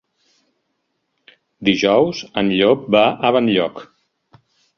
Dijous en Llop va a Benlloc.